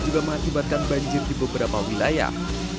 juga mengakibatkan banjir di beberapa wilayah